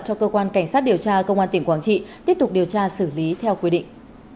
cho cơ quan cảnh sát điều tra công an tỉnh quảng trị tiếp tục điều tra xử lý theo quy định